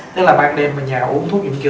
tức là ban đêm mà nhà uống thuốc